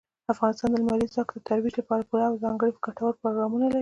افغانستان د لمریز ځواک د ترویج لپاره پوره او ځانګړي ګټور پروګرامونه لري.